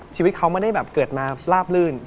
ชีวิตเขาไม่ได้แบบเกิดมาลาบลื่น